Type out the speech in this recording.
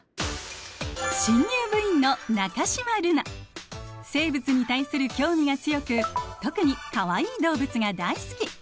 新入部員の生物に対する興味が強く特にかわいい動物が大好き。